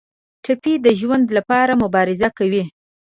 ټپي د ژوند لپاره مبارزه کوي.